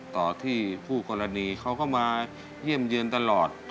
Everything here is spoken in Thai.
ต่อที่คู่กรณีเขาก็มาเยี่ยมเยือนตลอด